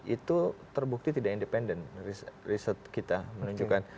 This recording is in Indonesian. itu terbukti tidak independen riset kita menunjukkan